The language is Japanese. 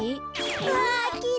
うわきれい。